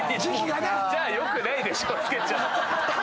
じゃあよくないでしょ着けちゃ。